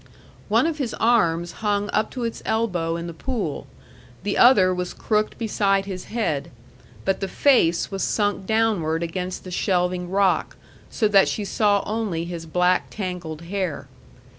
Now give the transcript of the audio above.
One of his arms hung up to its elbow in the pool, the other was crooked beside his head, but the face was sunk downward against the shelving rock, so that she saw only his black, tangled hair.